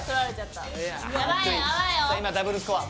今ダブルスコア